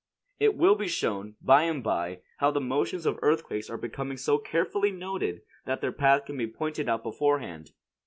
It will be shown, by and by, how the motions of earthquakes are becoming so carefully noted that their path can be pointed out beforehand.